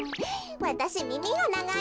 わたしみみがながいの。